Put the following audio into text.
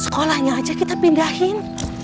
sekolahnya aja kita pindahin